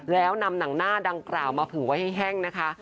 แล้วนำหนังหน้าดังกล่าวมาผือไว้ให้แห้งนะคะ